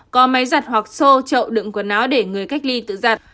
có máy giặt hoặc xô trậu đựng quần áo để người cách ly tự giặt